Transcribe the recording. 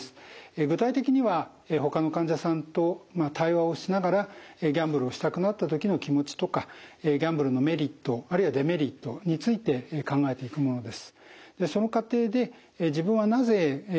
具体的にはほかの患者さんと対話をしながらギャンブルをしたくなった時の気持ちとかギャンブルのメリットあるいはデメリットについて考えていくものです。